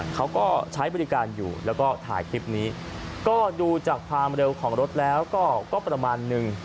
เขาก็ใช้บริการอยู่แล้วก็ถ่ายคลิปนี้ก็ดูจากความเร็วของรถแล้วก็ประมาณนึง